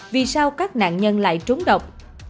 vì sao các nạn nhân lại trốn độc